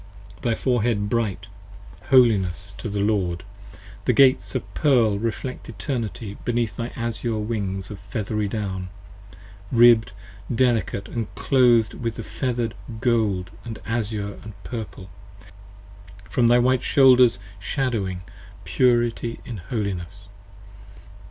Thy forehead bright: Holiness to the Lord: with Gates of pearl 5 Reflects Eternity beneath thy azure wings of feathery down, Ribb'd delicate & cloth'd with feather'd gold & azure & purple, From thy white shoulders shadowing, purity in holiness!